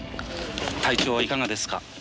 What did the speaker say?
体調はいかがですか？